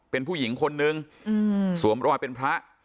เป็นผู้หญิงคนนึงสวมรอยเป็นพระ